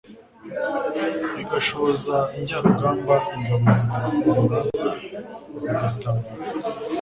igashoza injyarugamba, ingabo zigahurura zigatabara.